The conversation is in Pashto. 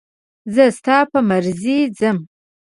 زه ستا په مرضي ځم.